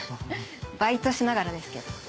バイトしながらですけど。